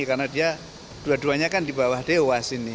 karena dia dua duanya kan di bawah dewas ini